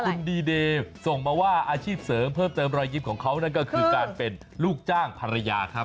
คุณดีเดย์ส่งมาว่าอาชีพเสริมเพิ่มเติมรอยยิ้มของเขานั่นก็คือการเป็นลูกจ้างภรรยาครับ